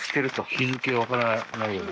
日付分からないように？